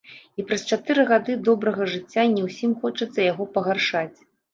І праз чатыры гады добрага жыцця не ўсім хочацца яго пагаршаць.